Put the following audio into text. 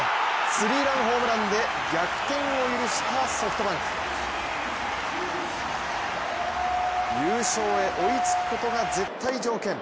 スリーランホームランで逆転を許したソフトバンク。優勝へ追いつくことが絶対条件。